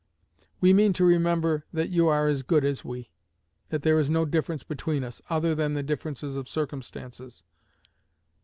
We mean to remember that you are as good as we; that there is no difference between us, other than the difference of circumstances.